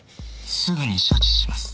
すぐに処置します。